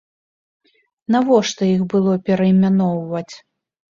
Навошта іх было пераймяноўваць?!